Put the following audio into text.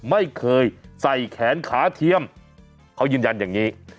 ไม่เคยใส่แขนขาเทียมเขายืนยันอย่างนี้